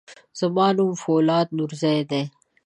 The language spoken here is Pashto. زما نوم فولاد نورزی دی.